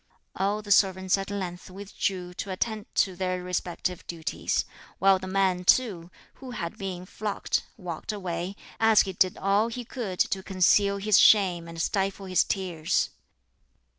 All the servants at length withdrew to attend to their respective duties, while the man too, who had been flogged, walked away, as he did all he could to conceal his shame and stifle his tears.